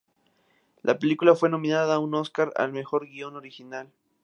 La película fue nominada a un Oscar al mejor guion original.